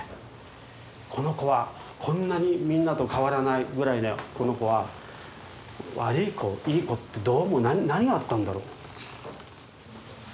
この子はこんなにみんなと変わらないぐらいのこの子は悪い子いい子ってどう思う何があったんだろう？